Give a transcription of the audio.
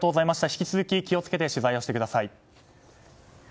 引き続き、気を付けて取材をしてください。